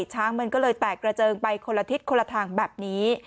ช้างมันก็เลยแตกกระเจิงไปคนละทิศคนละทางแบบนี้